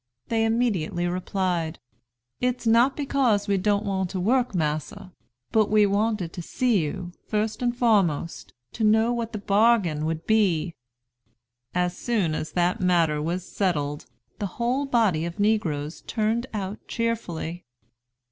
They immediately replied, 'It's not because we don't want to work, massa; but we wanted to see you, first and foremost, to know what the bargain would be.' As soon as that matter was settled, the whole body of negroes turned out cheerfully."